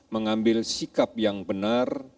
mengambil sikap yang benar